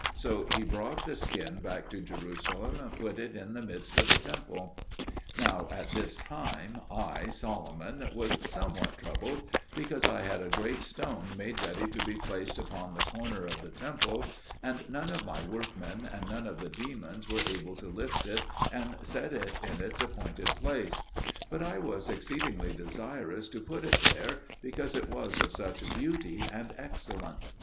So he brought the skin back to Jerusalem, and put it in the midst of the temple. Now at this time I, Solomon, was somewhat troubled, because I had a great stone made ready to be placed upon the corner of the temple, and none of my workmen and none of the demons were able to lift it and set it in its appointed place; but I was exceedingly desirous to put it there, because it was of such beauty and excellence.